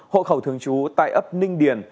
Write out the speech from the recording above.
hộ khẩu thương chú tại ấp ninh điền